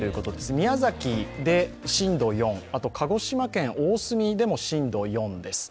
宮崎で震度４、鹿児島県大隅でも震度４です。